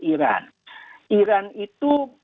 iran iran itu